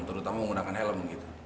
terutama menggunakan helm